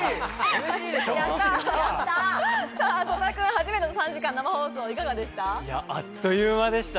曽田君、初めての３時間の生放送いかがでした？